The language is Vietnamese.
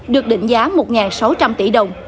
được định giá một sáu trăm linh tỷ đồng